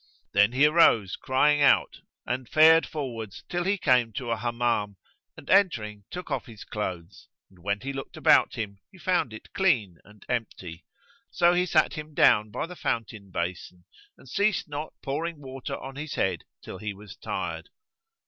Then he arose crying out, and fared forwards till he came to a Hammam and entering took off his clothes, and when he looked about him he found it clean and empty. So he sat him down by the fountain basin, and ceased not pouring water on his head, till he was tired.